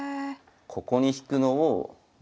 ここに引くのを。